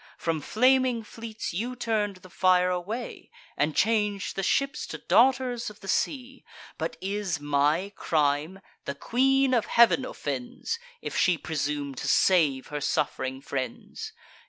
From flaming fleets you turn'd the fire away, And chang'd the ships to daughters of the sea. But is my crime—the Queen of Heav'n offends, If she presume to save her suff'ring friends!